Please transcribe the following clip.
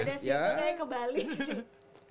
gak ada sih itu yang kebalik sih